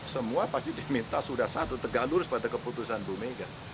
semua pasti diminta sudah satu tegak lurus pada keputusan bu mega